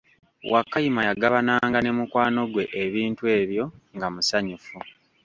Wakayima yagabananga ne mukwano gwe ebintu ebyo nga musanyufu.